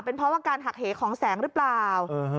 เพราะว่าการหักเหของแสงหรือเปล่า